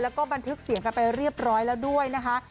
แล้วก็บันทึกเสียงกันไปเรียบร้อยแล้วด้วยนะคะ